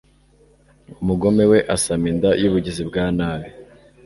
umugome we, asama inda y'ubugizi bwa nabi